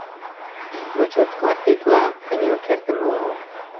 Но Чоткар тетла кынел кертын огыл.